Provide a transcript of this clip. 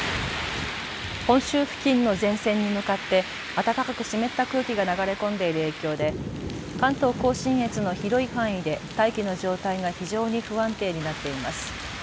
本州付近の前線に向かって暖かく湿った空気が流れ込んでいる影響で関東甲信越の広い範囲で大気の状態が非常に不安定になっています。